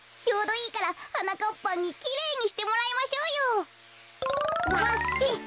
ちょうどいいからはなかっぱんにきれいにしてもらいましょうよ。